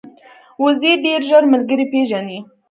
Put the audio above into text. وزې ډېر ژر ملګري پېژني